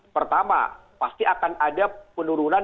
pertama pasti akan ada penurunan